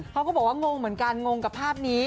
เขาก็บอกว่างงเหมือนกันงงกับภาพนี้